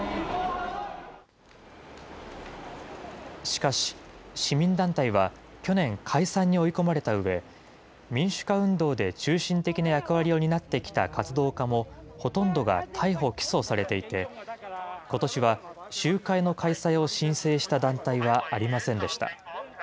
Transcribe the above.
しかし、市民団体は去年、解散に追い込まれたうえ、民主化運動で中心的な役割を担ってきた活動家も、ほとんどが逮捕・起訴されていて、ことしは集会の開催を申請した団体はありませんでした。